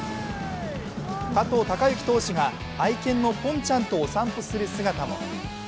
加藤貴之投手が愛犬のポンちゃんとお散歩する姿も。